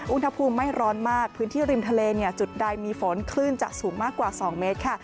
อุณหภูมิไม่ร้อนมากพื้นที่ริมทะเลจุดใดมีฝนคลื่นจะสูงมากกว่า๒เมตรค่ะ